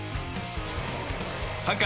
３回。